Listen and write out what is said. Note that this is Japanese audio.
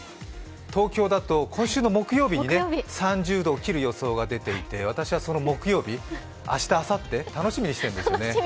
東京だと今週の木曜日に３０度を切る予想が出ていて私はその木曜日、明日、あさって楽しみにしているんですよね。